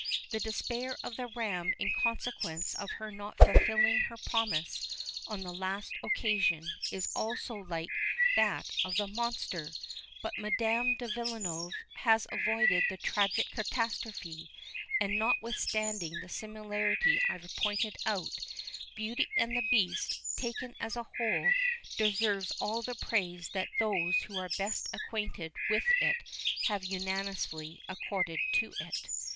The despair of the Ram in consequence of her not fulfilling her promise on the last occasion, is also like that of the Monster; but Madame de Villeneuve has avoided the tragical catastrophe; and notwithstanding the similarity I have pointed out, Beauty and the Beast, taken as a whole, deserves all the praise that those who are best acquainted with it have unanimously accorded to it.